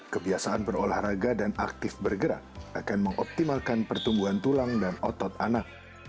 kebiasaan berolahraga dan aktif bergerak akan mengoptimalkan pertumbuhan tulang dan otot anak